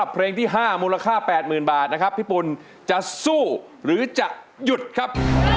เพลงที่๕มูลค่า๘๐๐๐บาทนะครับพี่ปุ่นจะสู้หรือจะหยุดครับ